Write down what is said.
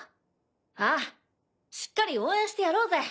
ああしっかり応援してやろうぜ。